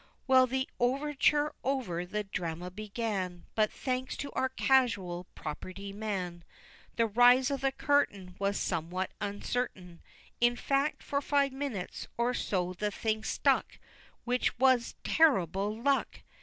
Well, the overture over, the drama began, But, thanks to our casual property man, The rise of the curtain Was somewhat uncertain. In fact, for five minutes or so the thing stuck Which was terrible luck!